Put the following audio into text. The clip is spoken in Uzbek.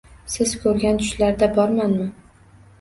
Siz koʼrgan tushlarda bormanmi?